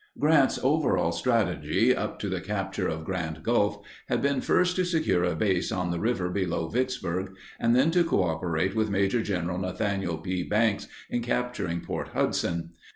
Grant's overall strategy, up to the capture of Grand Gulf, had been first to secure a base on the river below Vicksburg and then to cooperate with Maj. Gen. Nathaniel P. Banks in capturing Port Hudson.